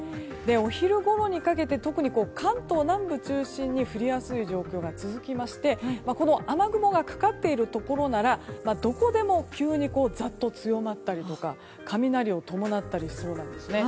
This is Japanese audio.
お昼ごろにかけて特に関東南部中心に降りやすい状況が続きましてこの雨雲がかかっているところならどこでも急にざっと強まったりとか雷を伴ったりしそうなんですね。